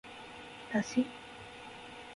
だし